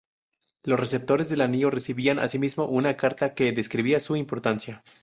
Los receptores del anillo recibían asimismo una carta que describía su importancia.